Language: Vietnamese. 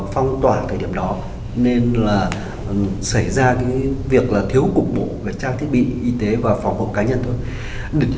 phong tỏa thời điểm đó nên là xảy ra cái việc là thiếu cục bộ về trang thiết bị y tế và phòng hộ cá nhân thôi